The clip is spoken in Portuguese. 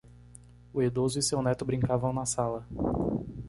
O idoso e seu neto brincavam na sala.